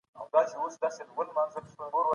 په سیاست کي به فزیکي ځواک ونه کارول سي.